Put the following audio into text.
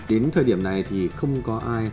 đến thời điểm này thì không có ai